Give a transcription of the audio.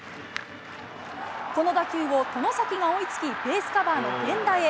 この打球を外崎が追いつき、ベースカバーの源田へ。